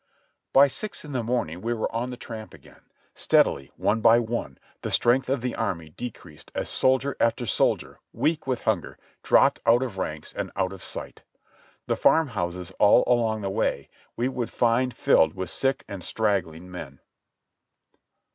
By six in the morning we were on the tramp again. Steadily ,^ one by one. the strength of the army decreased as soldier after soldier, weak with hunger, dropped out of ranks and out of sight. The farm houses all along the way we would find filled with sick and straggling men.